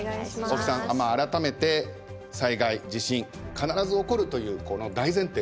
大木さん改めて災害地震必ず起こるという大前提ですよね。